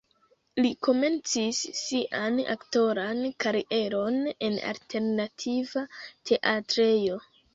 Li komencis sian aktoran karieron en alternativa teatrejo.